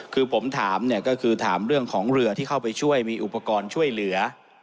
คือผมถามเนี่ยก็คือถามเรื่องของเรือที่เข้าไปช่วยมีอุปกรณ์ช่วยเหลือ